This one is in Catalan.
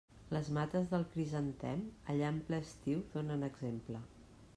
Les mates del crisantem, allà en ple estiu, donen exemple.